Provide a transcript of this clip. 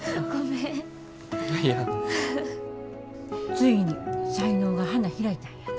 ついに才能が花開いたんやな。